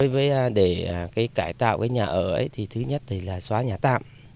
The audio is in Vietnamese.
với để cải tạo nhà ở thứ nhất là xóa nhà tạm